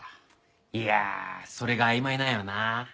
いやあそれが曖昧なんよな。